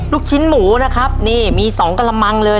ลูกชิ้นหมูนะครับนี่มีสองกระมังเลย